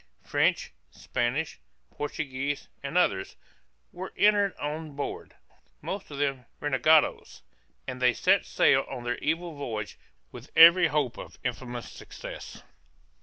French, Spanish, Portuguese, and others, were entered on board, most of them renegadoes, and they set sail on their evil voyage, with every hope of infamous success.